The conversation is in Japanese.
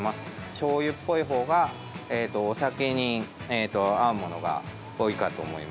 しょうゆっぽいほうがお酒に合うものが多いと思います。